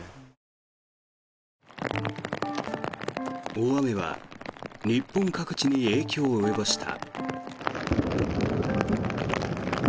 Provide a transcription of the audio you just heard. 大雨は日本各地に影響を及ぼした。